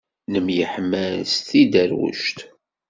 Nemyeḥmal s tidderwect.